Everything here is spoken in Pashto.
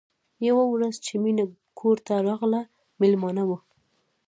یوه ورځ چې مینه کور ته راغله مېلمانه وو